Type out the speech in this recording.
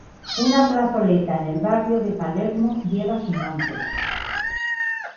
Una plazoleta en el barrio de Palermo lleva su nombre.